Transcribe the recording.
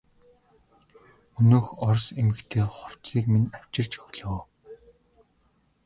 Өнөөх орос эмэгтэй хувцсыг минь авчирч өглөө.